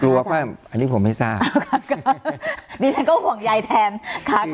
กลัวว่าอันนี้ผมไม่ทราบนี่ฉันก็ห่วงยายแทนค่ะค่ะ